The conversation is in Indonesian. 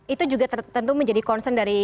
itu juga tentu menjadi concern dari